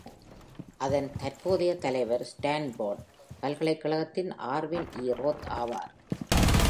அதன் தற்போதைய தலைவர் ஸ்டான்போர்ட் பல்கலைக்கழகத்தின் ஆல்வின் ஈ. ரோத் ஆவார்.